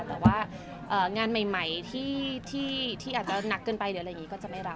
แต่ว่างานใหม่ที่อาจจะหนักเกินไปหรืออะไรอย่างนี้ก็จะไม่รับ